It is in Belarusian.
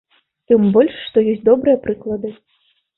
Тым больш што ёсць добрыя прыклады.